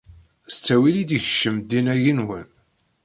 S talwit i d-yekcem ddin-agi-nwen?